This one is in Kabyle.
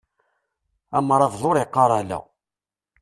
Amṛabeḍ ur iqqar ala.